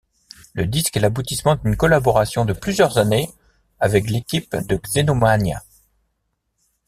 Le disque est l'aboutissement d'une collaboration de plusieurs années avec l'équipe de Xenomania.